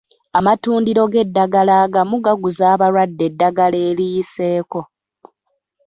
Amatundiro g'eddagala agamu gaguza abalwadde eddagala eriyiseeko.